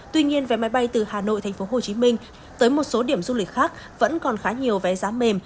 tuy nhiên vé máy bay từ hà nội tp hcm tới một số điểm du lịch khác vẫn còn khá nhiều vé giá mềm